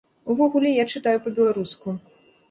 Увогуле, я чытаю па-беларуску.